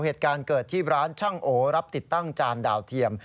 เหตุการณ์เกิดที่ร้านช่างโอรับติดตั้งจานดาวเทียม